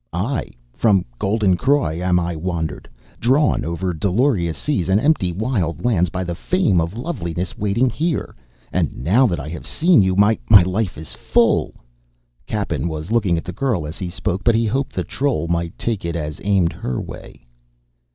"Aye, from golden Croy am I wandered, drawn over dolorous seas and empty wild lands by the fame of loveliness waiting here; and now that I have seen you, my life is full." Cappen was looking at the girl as he spoke, but he hoped the troll might take it as aimed her way.